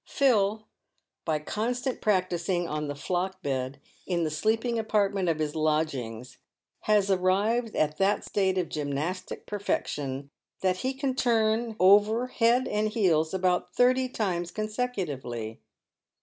Phil, by constant practising on the flock bed in the sleeping apart ment of his lodgings, has arrived at that state of gymnastic perfection that he can turn over head and heels about thirty times consecutively.